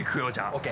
ＯＫ。